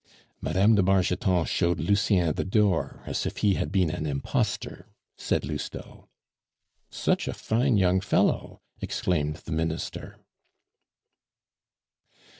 "Mme. de Bargeton showed Lucien the door as if he had been an imposter," said Lousteau. "Such a fine young fellow!" exclaimed the Minister.